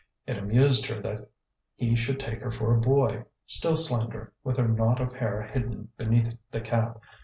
It amused her that he should take her for a boy, still slender, with her knot of hair hidden beneath the cap.